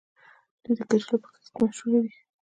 دوی د کچالو په کښت مشهور دي.